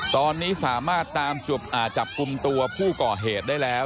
ตอนนี้สามารถตามจับกลุ่มตัวผู้ก่อเหตุได้แล้ว